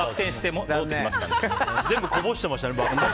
全部こぼしてましたね。